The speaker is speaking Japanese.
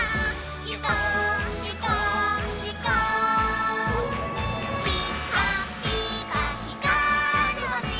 「いこういこういこう」「ぴかぴかひかるほし